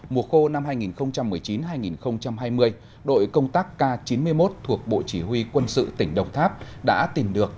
mùa khô năm hai nghìn một mươi chín hai nghìn hai mươi đội công tác k chín mươi một thuộc bộ chỉ huy quân sự tỉnh đồng tháp đã tìm được